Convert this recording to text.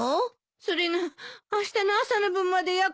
それがあしたの朝の分まで約束してて。